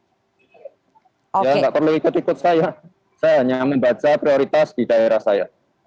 tidak perlu ikut ikut saya saya hanya membaca prioritas di daerah saya